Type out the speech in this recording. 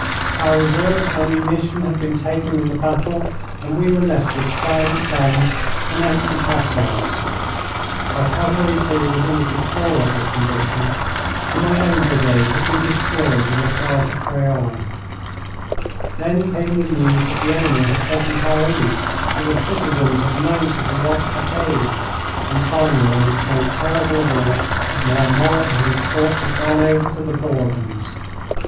Our reserve ammunition had been taken in the battle, and we were left with silent guns and empty caissons. Our cavalry, too, was in a deplorable condition, and my own brigade had been destroyed in the charge at Craonne. Then came the news that the enemy had taken Paris, that the citizens had mounted the white cockade; and finally, most terrible of all, that Marmont and his corps had gone over to the Bourbons.